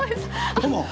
どうも。